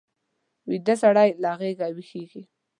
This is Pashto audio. ویده سړی له غږه ویښېږي